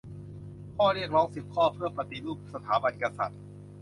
ข้อเรียกร้องสิบข้อเพื่อปฏิรูปสถาบันกษัตริย์